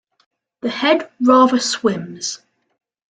The head rather swims.